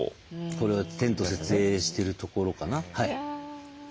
これはテント設営してるところかな。